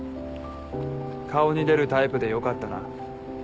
顔に出るタイプでよかったな。